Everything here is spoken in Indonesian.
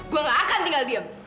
gue gak akan tinggal diem